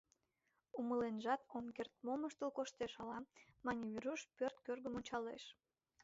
Умыленжат ом керт, мом ыштыл коштеш, ала? — мане Веруш, пӧрт кӧргым ончалеш.